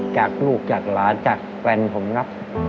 จากลูกจากหลานจากแฟนผมครับ